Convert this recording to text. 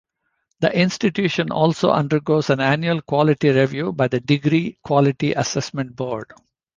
The institution also undergoes an annual quality review by the Degree Quality Assessment Board.